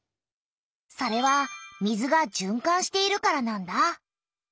それは水がじゅんかんしているからなんだ。